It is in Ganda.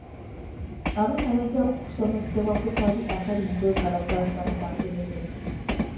Abaana bajja kusomesebwa ku kabi akali mu kwekalakaasa mu masomero.